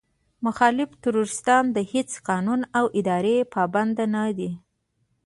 مخالف تروريستان د هېڅ قانون او ادارې پابند نه دي.